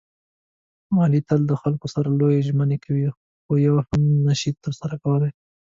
علي تل له خلکو سره لویې ژمنې کوي، خویوه هم نشي ترسره کولی.